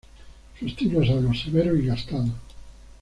Su estilo es algo severo y gastado.